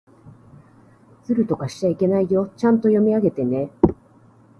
ずるとかしちゃいけないよ。ちゃんと読み上げてね。